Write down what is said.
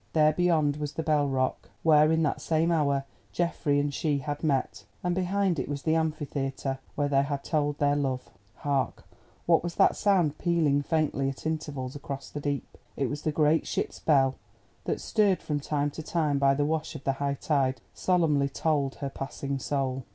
There beyond was the Bell Rock, where in that same hour Geoffrey and she had met, and behind it was the Amphitheatre, where they had told their love. Hark! what was that sound pealing faintly at intervals across the deep? It was the great ship's bell that, stirred from time to time by the wash of the high tide, solemnly tolled her passing soul.